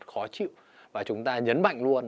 khó chịu và chúng ta nhấn mạnh luôn